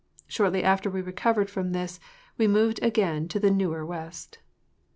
Shortly after we recovered from this we moved again to the newer West.